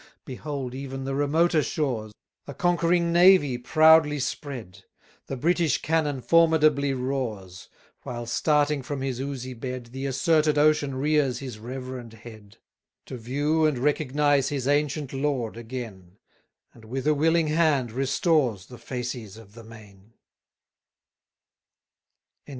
Behold even the remoter shores, A conquering navy proudly spread; The British cannon formidably roars, While starting from his oozy bed, The asserted Ocean rears his reverend head; To view and recognise his ancient lord again: And with a willing hand, restores The fasces of the main.